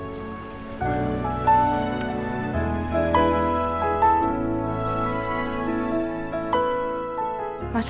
di mana dia temennya